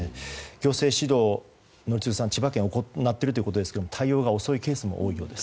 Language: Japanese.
行政指導を宜嗣さん千葉県は行っているということですが対応が遅いケースも多いようです。